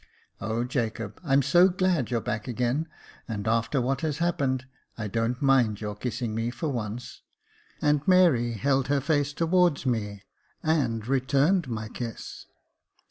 O Jacob, I'm so glad you're back again, and after what has happened, I don't mind your kissing me for once." And Mary held her face towards me, and returned my kiss.